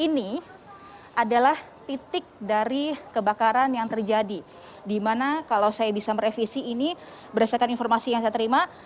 ini adalah titik dari kebakaran yang terjadi di mana kalau saya bisa merevisi ini berdasarkan informasi yang saya terima